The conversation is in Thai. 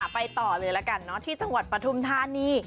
ไปต่อเลยละกันที่จังหวัดปฐุมธานี